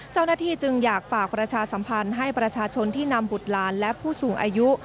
เจ้าหน้าที่จึงอยากฝากประชาสัมพันธ์ให้ประชาชนที่นำบุตรหลานและผู้สูงอายุ